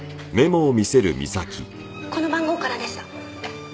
この番号からでした。